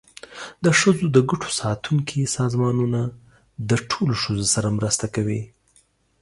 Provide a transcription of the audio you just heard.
د ښځو د ګټو ساتونکي سازمانونه د ټولو ښځو سره مرسته کوي.